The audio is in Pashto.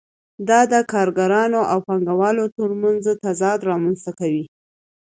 دا د کارګرانو او پانګوالو ترمنځ تضاد رامنځته کوي